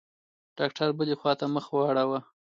ډاکتر بلې خوا ته مخ واړاوه.